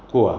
các đoàn thể